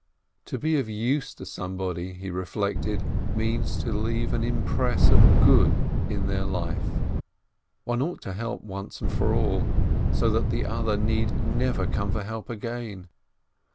To be of use to somebody, he reflected, means to leave an impress of good in their life. One ought to help once for all, so that the other need never come for help again.